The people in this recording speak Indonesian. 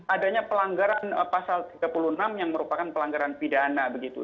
adanya pelanggaran pasal tiga puluh enam yang merupakan pelanggaran pidana begitu